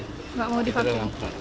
nggak mau divaksin